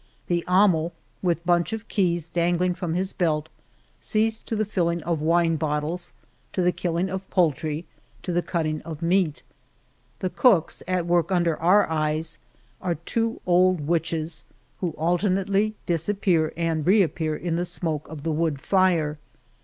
The amo, with bunch of keys dangling from his belt, sees to the filling of wine bottles, to the killing of poultry, to the cutting of meat. The cooks — at work under our eyes — are two 142 El Toboso old witches, who alternately disappear and reappear in the smoke of the wood fire.